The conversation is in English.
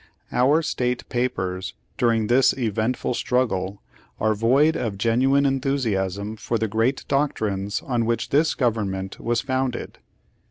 Our state papers during this eventful struggle are void of genuine enthusiasm for the great doctrines on which this government was founded."